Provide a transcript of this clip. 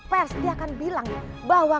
pers dia akan bilang bahwa